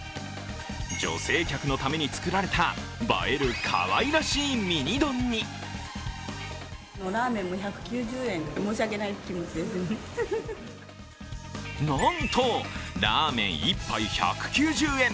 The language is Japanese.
女性客のために作られた映えるかわいらしいミニ丼になんとラーメン１杯１９０円。